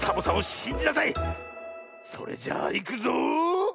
それじゃあいくぞ。